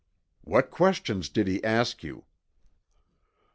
"What questions did he ask you?"